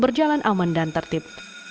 berjalan aman dan tertib